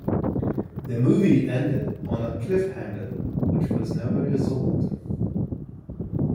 The movie ended on a cliffhanger, which was never resolved.